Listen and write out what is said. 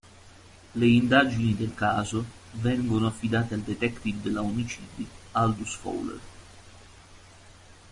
Le indagini del caso vengono affidate al detective della Omicidi Aldous Fowler.